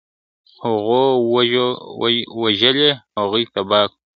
هغو وژلي هغوی تباه کړو !.